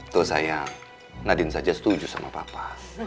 tuh sayang nadine saja setuju sama papa